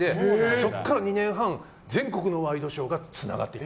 そこから２年半全国のワイドショーが連なっていった。